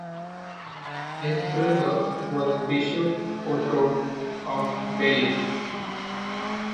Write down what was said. His brother was Bishop Otto of Belley.